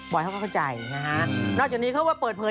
บอยเขาเข้าใจนะฮะนอกจากนี้เขาบอกว่าเปิดเภย